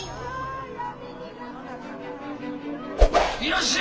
よし！